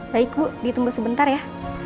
baik bu ditunggu sebentar ya